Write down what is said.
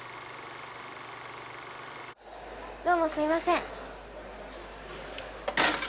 どうもすみません。